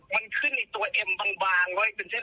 มันขึ้นในตัวเอ็มบางเลย